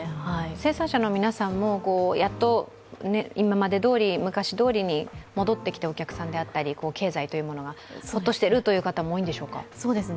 生産者の皆さんも、やっと今までどおり、昔どおりにお客さんが戻ってきたり経済というものが、ホッとしているという方も多いんでしょうか？